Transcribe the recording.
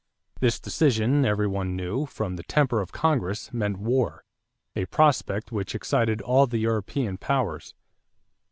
This decision, every one knew, from the temper of Congress, meant war a prospect which excited all the European powers.